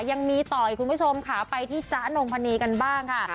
ยังมีต่ออีกคุณผู้ชมค่ะไปที่จ๊ะนงพนีกันบ้างค่ะ